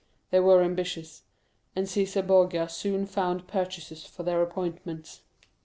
They were ambitious, and Cæsar Borgia soon found purchasers for their appointments.